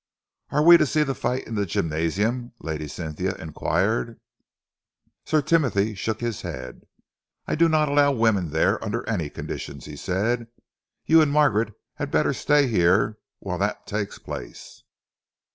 "Are we to see the fight in the gymnasium?" Lady Cynthia enquired. Sir Timothy shook his head. "I do not allow women there under any conditions," he said. "You and Margaret had better stay here whilst that takes place.